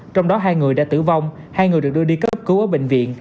trong đó hai người đã tử vong hai người được đưa đi cấp cứu ở bệnh viện